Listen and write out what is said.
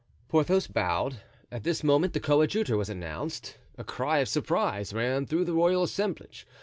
Porthos bowed. At this moment the coadjutor was announced; a cry of surprise ran through the royal assemblage.